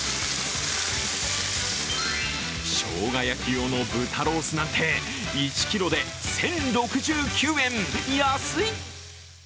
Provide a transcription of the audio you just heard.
しょうが焼き用の豚ロースなんて１ｋｇで１０６９円、安い！